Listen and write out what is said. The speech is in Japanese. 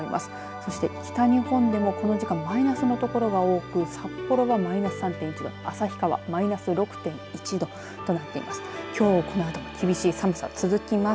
そして北日本でもこの時間、マイナスの所が多く札幌はマイナス３．１度旭川、マイナス６．１度となっています。